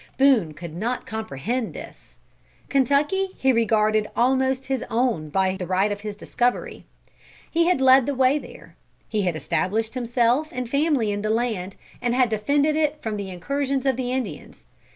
Boone could not comprehend this. Kentucky he regarded almost his own by the right of his discovery. He had led the way there. He had established himself and family in the land, and had defended it from the incursions of the Indians.